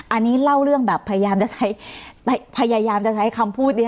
อันนี้เล่าเรื่องแบบพยายามจะใช้คำพูดนี้